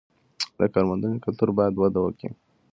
د کارموندنې کلتور باید وده وکړي.